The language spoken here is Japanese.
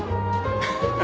ハハハ。